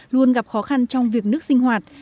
luôn gặp khó khăn trong việc nước sinh hoạt